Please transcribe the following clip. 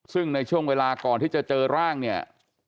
ซึ่งในช่วงเวลาก่อนที่จะเจอร่างเนี่ย